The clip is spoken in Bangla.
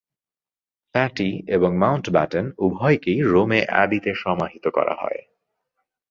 প্যাটি এবং মাউন্টব্যাটেন উভয়কেই রোমে অ্যাবিতে সমাহিত করা হয়।